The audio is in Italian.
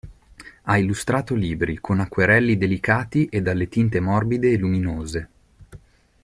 Ha illustrato libri, con acquerelli delicati e dalle tinte morbide e luminose.